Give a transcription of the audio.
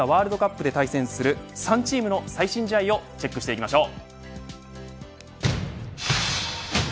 そして日本がワールドカップで対戦する３チームの最新試合をチェックしていきましょう。